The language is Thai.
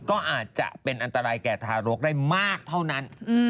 ก็อาจจะเป็นอันตรายแก่ทารกได้มากเท่านั้น